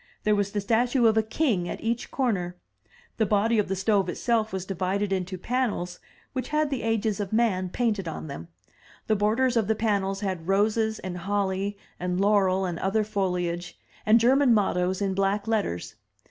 There was the statue of a king at each comer. The body of the stove itself was divided into panels, which had the Ages of Man painted on them; the borders of the panels had roses and holly and laurel and other foliage, and German mottoes in black letters.